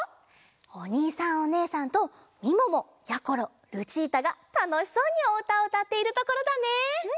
おにいさんおねえさんとみももやころルチータがたのしそうにおうたをうたっているところだね。